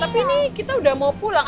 tapi ini kita udah mau pulang